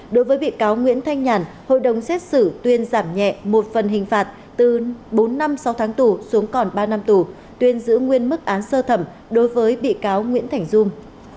đối với bị cáo nguyễn thanh nhàn hội đồng xét xử tuyên giảm nhẹ một phần hình phạt từ bốn năm sáu tháng tù xuống còn ba năm tù tuyên giữ nguyên mức án sơ thẩm đối với bị cáo nguyễn thảnh dung